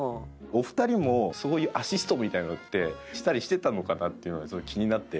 お二人もそういうアシストみたいなのってしたりしてたのかなっていうのがすごい気になって。